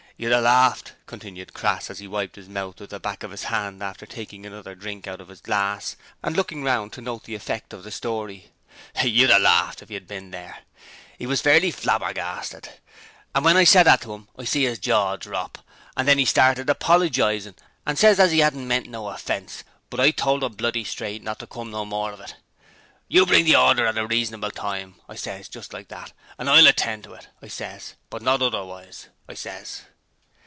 You'd a larfed,' continued Crass, as he wiped his mouth with the back of his hand after taking another drink out of his glass, and looking round to note the effect of the story, 'you'd a larfed if you'd bin there. 'E was fairly flabbergasted! And wen I said that to 'im I see 'is jaw drop! An' then 'e started apoligizing and said as 'e 'adn't meant no offence, but I told 'im bloody straight not to come no more of it. "You bring the horder at a reasonable time," I ses just like that "and I'll attend to it," I ses, "but not otherwise," I ses.'